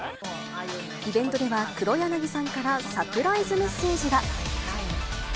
イベントでは、黒柳さんからサプライズメッセージが。